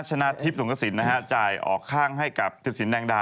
ชนะทิพย์สงสินนะฮะจ่ายออกข้างให้กับทิพย์สินแดงดา